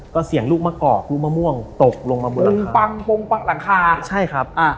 ก็เสียงลูกมะกอกลูกมะม่วงตกลงมาบนหลังคาปุ้งปังปุ้งปังหลังคา